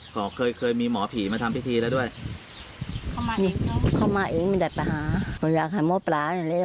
จะกินทำอย่างไร